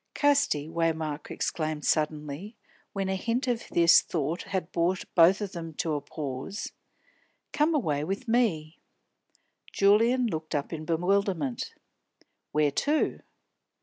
"Casti," Waymark exclaimed suddenly, when a hint of this thought had brought both of them to a pause, "come away with me." Julian looked up in bewilderment. "Where to?"